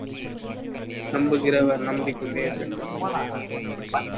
நம்புகிறவர் நம்பிக் கொண்டிருக்கட்டும்.